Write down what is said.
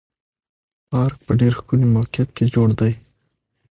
پارک په ډېر ښکلي موقعیت کې جوړ دی.